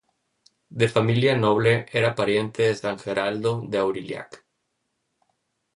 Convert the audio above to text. De familia noble, era pariente de San Geraldo de Aurillac.